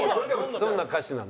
どんな歌詞なの？